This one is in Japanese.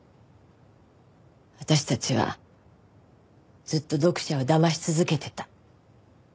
私たちはずっと読者をだまし続けてた。